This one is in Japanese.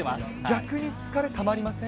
逆に疲れたまりません？